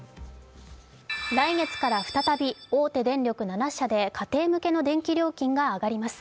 来月から再び大手電力７社で家庭向け電気料金が上がります。